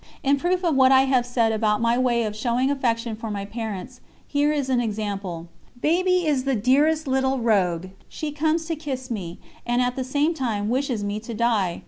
In proof of what I have said about my way of showing affection for my parents, here is an example: "Baby is the dearest little rogue; she comes to kiss me, and at the same time wishes me to die.